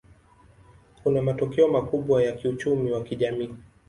Kuna matokeo makubwa ya kiuchumi na kijamii.